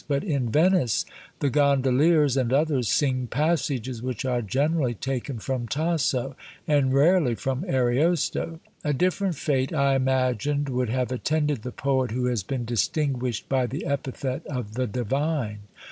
But in Venice the gondoliers, and others, sing passages which are generally taken from Tasso, and rarely from Ariosto. A different fate, I imagined, would have attended the poet who has been distinguished by the epithet of "The Divine."